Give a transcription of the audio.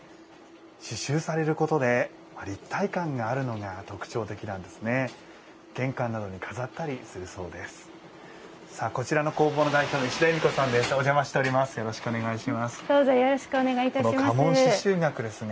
刺しゅうされることで立体感があるのが特徴的なんですね。